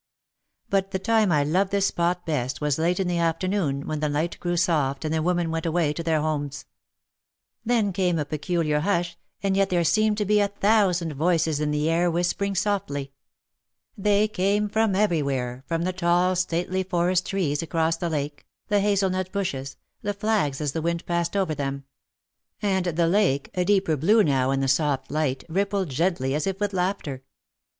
But the time I loved this spot best was late in the afternoon, when the light grew soft and the women went away to their homes. Then came a peculiar hush, and yet there seemed to be a thousand voices in the air whis 42 OUT OF THE SHADOW pering softly. They came from everywhere, from the tall stately forest trees across the lake, the hazelnut bushes, the flags as the wind passed over them. And the lake, a deeper blue now in the soft light, rippled gently as if with laughter.